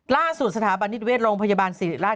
ล่าสุดสถาบันนิติเวชโรงพยาบาลศิริราช